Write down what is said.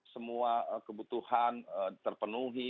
semua kebutuhan terpenuhi